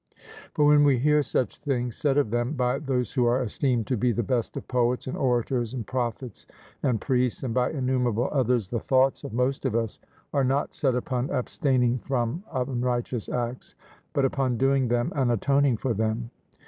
For when we hear such things said of them by those who are esteemed to be the best of poets, and orators, and prophets, and priests, and by innumerable others, the thoughts of most of us are not set upon abstaining from unrighteous acts, but upon doing them and atoning for them.